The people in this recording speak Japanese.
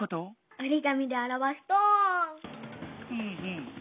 おりがみであらわすと。